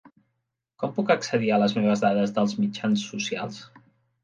Com puc accedir a les meves dades dels mitjans socials?